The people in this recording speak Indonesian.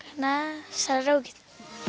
karena seru gitu